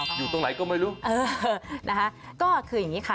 อยู่ตรงไหนก็ไม่รู้